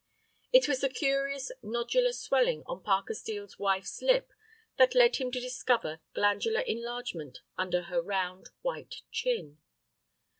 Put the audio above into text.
It was the curious nodular swelling on Parker Steel's wife's lip that led him to discover glandular enlargement under her round, white chin.